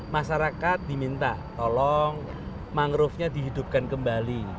masyarakat diminta tolong mangrovenya dihidupkan kembali